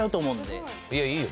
いやいいよ